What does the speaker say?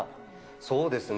そうですね。